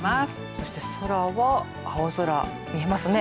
そして、空は青空見えますね。